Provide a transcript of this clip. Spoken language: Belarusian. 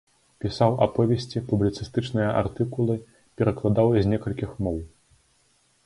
Пісаў аповесці, публіцыстычныя артыкулы, перакладаў з некалькіх моў.